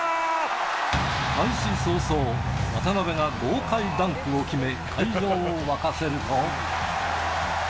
開始早々、渡邊が豪快ダンクを決め、会場を沸かせると。